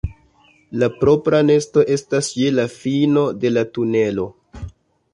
La propra nesto estas je la fino de la tunelo.